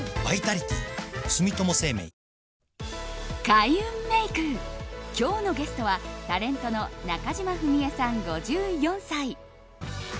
開運メイク、今日のゲストはタレントの中島史恵さん、５４歳。